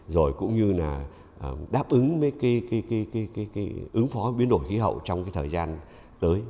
rồi cũng như là đáp ứng với ứng phó biến đổi khí hậu trong cái thời gian tới